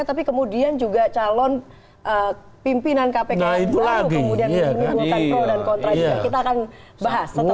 tapi kemudian juga calon pimpinan kpk yang baru